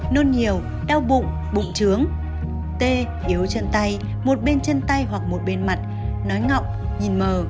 nôn nhiều đau bụng bụng trướng tê yếu chân tay một bên chân tay hoặc một bên mặt nói ngọng nhìn mờ